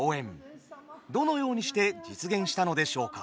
どのようにして実現したのでしょうか。